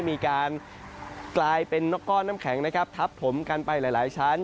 มีการกลายเป็นนกก้อนน้ำแข็งนะครับทับผมกันไปหลายหลายชั้น